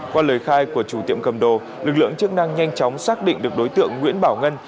qua lời khai của chủ tiệm cầm đồ lực lượng chức năng nhanh chóng xác định được đối tượng nguyễn bảo ngân